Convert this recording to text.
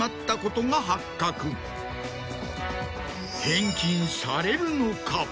返金されるのか？